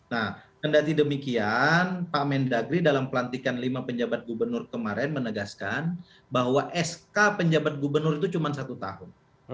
nah kendati demikian pak mendagri dalam pelantikan lima penjabat gubernur kemarin menegaskan bahwa sk penjabat gubernur itu cuma satu tahun